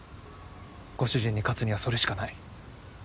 ご主人に勝つにはそれしかない。